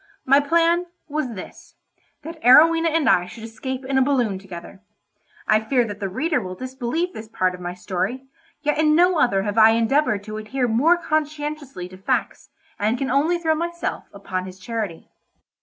My plan was this—that Arowhena and I should escape in a balloon together. I fear that the reader will disbelieve this part of my story, yet in no other have I endeavoured to adhere more conscientiously to facts, and can only throw myself upon his charity.